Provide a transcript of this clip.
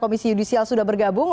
karena komisi judisial sudah bergabung